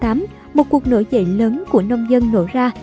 năm một nghìn ba trăm năm mươi tám một cuộc nổi dậy lớn của nông dân nổi ra